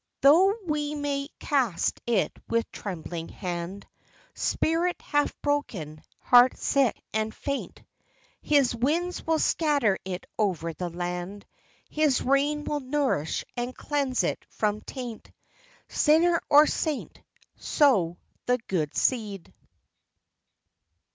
SONG . 193 Though we may cast it with trembling hand, Spirit half broken, heart sick and faint, His winds will scatter it over the land, His rain will nourish and cleanse it from taint, Sinner or saint, Sow the good seed.